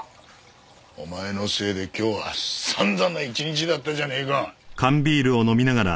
お前のせいで今日は散々な一日だったじゃねえか。